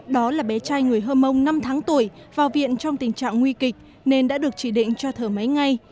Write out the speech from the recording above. đó là bé trai người hơ mông năm tháng tuổi vào viện trong tình trạng nguy kịch nên đã được chỉ định cho thở máy ngay